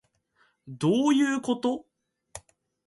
どういうこと